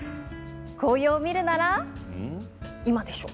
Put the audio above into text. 紅葉を見るなら今でしょ！